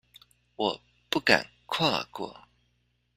我不敢跨過